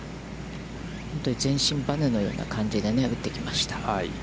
本当に全身バネのような感じで打ってきました。